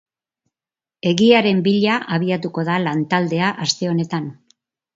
Egiaren bila abiatuko da lantaldea aste honetan.